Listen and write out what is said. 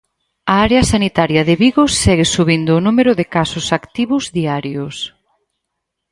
A área sanitaria de Vigo segue subindo o número de casos activos diarios.